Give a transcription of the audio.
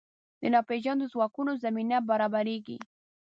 د ناپېژاندو ځواکونو زمینه برابرېږي.